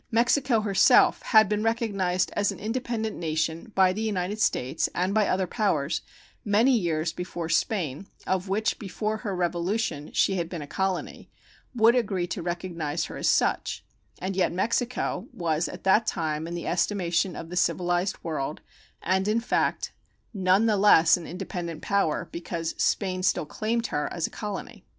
Mexico herself had been recognized as an independent nation by the United States and by other powers many years before Spain, of which before her revolution she had been a colony, would agree to recognize her as such; and yet Mexico was at that time in the estimation of the civilized world, and in fact, none the less an independent power because Spain still claimed her as a colony.